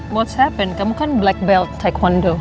apa yang terjadi kamu kan black belt taekwondo